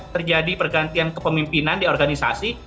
terjadi pergantian kepemimpinan di organisasi